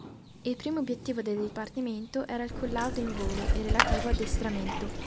Il primo obiettivo del dipartimento era il collaudo in volo e il relativo addestramento.